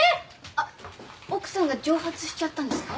あっ奥さんが蒸発しちゃったんですか？